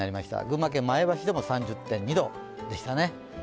群馬県前橋市でも３０．２度でしたね。